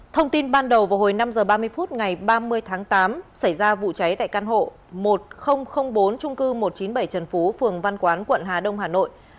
thông tin ban đầu vào hồi năm h ba mươi phút ngày ba mươi tháng tám xảy ra vụ cháy tại căn hộ một nghìn bốn trung cư một trăm chín mươi bảy trần phú phường văn quán quận hà đông hà nội